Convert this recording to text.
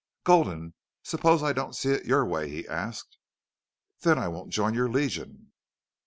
"Gulden, suppose I don't see it your way?" he asked. "Then I won't join your Legion."